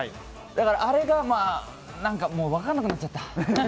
だから、あれがもう分かんなくなっちゃった。